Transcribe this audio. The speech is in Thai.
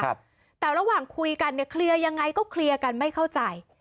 ครับแต่ระหว่างคุยกันเนี่ยเคลียร์ยังไงก็เคลียร์กันไม่เข้าใจ